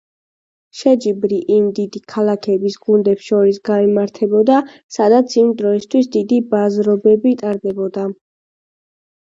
შეჯიბრი იმ დიდი ქალაქების გუნდებს შორის გაიმართებოდა, სადაც იმ დროისთვის დიდი ბაზრობები ტარდებოდა.